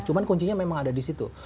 cuman kuncinya memang ada di situ